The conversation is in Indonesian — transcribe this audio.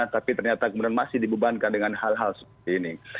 tapi ternyata kemudian masih dibebankan dengan hal hal seperti ini